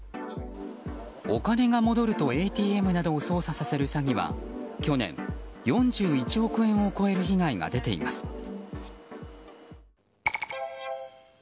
お金が戻るとＡＴＭなどを操作させる詐欺は去年４１億円を超える被害が出ています。